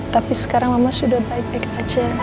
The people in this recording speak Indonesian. tapi sekarang mama sudah baik baik aja